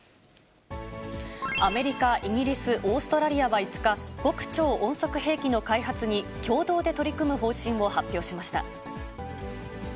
アメリカ、イギリス、オーストラリアは５日、極超音速兵器の開発に、共同で取り組む方針を発表しました。